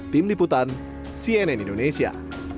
tim liputan cnn indonesia